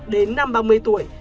đến năm ba mươi tuổi